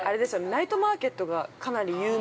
ナイトマーケットがかなり有名。